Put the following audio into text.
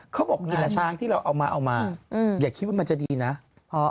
เขาบอกกินละช้างที่เราเอามาอย่าคิดว่ามันจะดีนะ